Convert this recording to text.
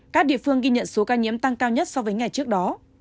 các địa phương ghi nhận số ca nhiễm tăng cao nhất so với ngày trước đó